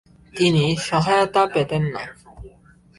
তিনি সহায়তা পেতেন না।